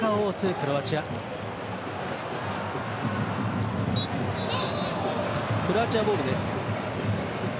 クロアチアボールです。